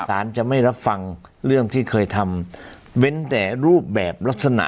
สารจะไม่รับฟังเรื่องที่เคยทำเว้นแต่รูปแบบลักษณะ